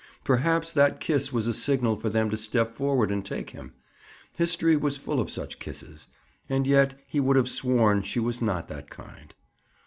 Perhaps that kiss was a signal for them to step forward and take him. History was full of such kisses. And yet he would have sworn she was not that kind.